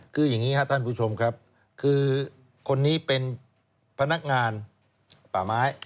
คืออย่างนี้ครับท่านผู้ชมครับคือคนนี้เป็นพนักงานป่าไม้